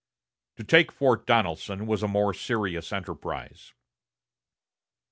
To take Fort Donelson was a more serious enterprise.